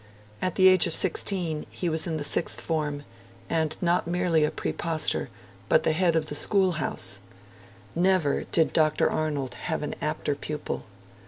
At the age of sixteen, he was in the Sixth Form, and not merely a Praepostor, but head of the School House. Never did Dr. Arnold have an apter pupil.